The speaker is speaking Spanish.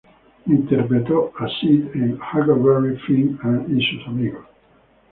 Interpretó a Sid en "Huckleberry Finn and His Friends".